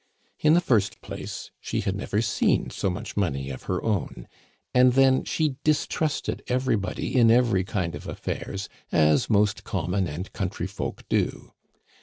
In the first place, she had never seen so much money of her own, and then she distrusted everybody in every kind of affairs, as most common and country folk do.